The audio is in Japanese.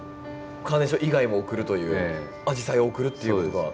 カーネーション以外も贈るというアジサイを贈るっていう事が。